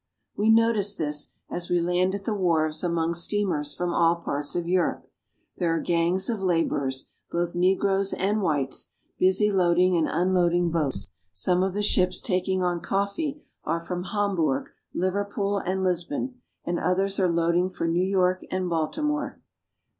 We notice this as we land at the wharves among steamers from all parts of Europe. There are gangs of laborers, both negroes and whites, busy loading and unloading boats. Some of the ships taking on coffee are from Hamburg, Liverpool, and Lisbon, and others are loading for New York and Baltimore. There There is coffee everywhere." 272 BRAZIL.